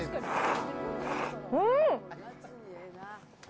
うん！